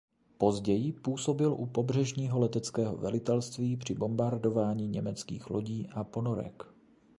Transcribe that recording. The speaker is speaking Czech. Později působil u pobřežního leteckého velitelství při bombardování německých lodí a ponorek.